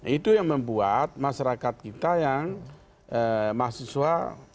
itu yang membuat masyarakat kita yang mahasiswa